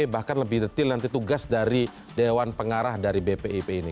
bahkan lebih detail nanti tugas dari dewan pengarah dari bpip ini